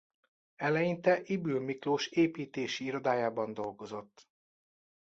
Eleinte Ybl Miklós építési irodájában dolgozott.